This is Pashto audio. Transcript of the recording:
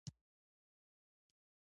د ملا درد لپاره د کونځلې تېل وکاروئ